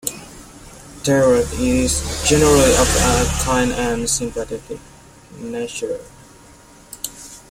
Tarot is generally of a kind and sympathetic nature.